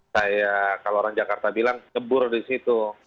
saya kalau orang jakarta bilang nyebur di situ